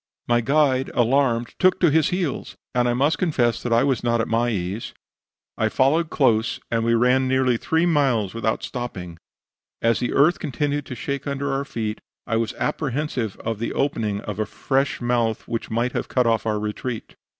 My guide, alarmed, took to his heels; and I must confess that I was not at my ease. I followed close, and we ran near three miles without stopping; as the earth continued to shake under our feet, I was apprehensive of the opening of a fresh mouth which might have cut off our retreat.